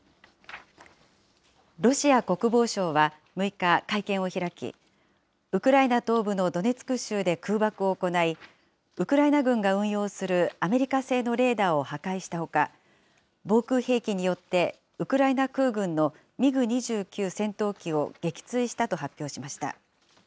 ロシア国防省は６日、会見を開き、ウクライナ東部のドネツク州で空爆を行い、ウクライナ軍が運用するアメリカ製のレーダーを破壊したほか、防空兵器によってウクライナ空軍のミグ２９戦闘機を撃墜したと発表しました。